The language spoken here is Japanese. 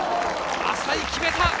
淺井、決めた！